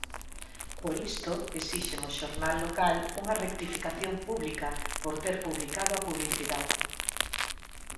Por isto, esixen ao xornal local "unha rectificación pública" por ter publicado a publicidade.